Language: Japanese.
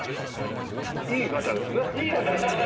いいガチャです。